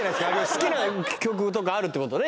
好きな曲とかあるってことね？